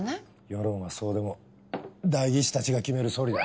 世論はそうでも代議士たちが決める総理だ。